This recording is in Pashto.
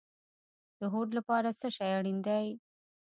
د هوډ لپاره څه شی اړین دی؟